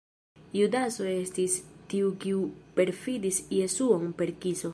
Judaso estis tiu kiu perfidis Jesuon per kiso.